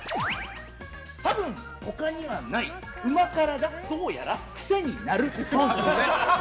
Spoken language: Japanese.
たぶん他にはない旨辛がどうやら癖になるっぽい！